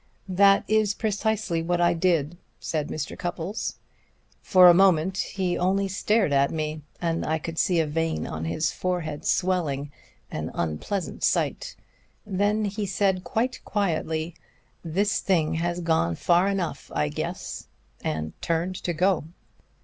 "That is precisely what I did," said Mr. Cupples. "For a moment he only stared at me, and I could see a vein on his forehead swelling an unpleasant sight. Then he said quite quietly: 'This thing has gone far enough, I guess,' and turned to go."